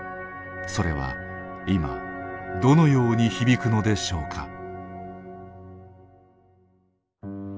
それは今どのように響くのでしょうか。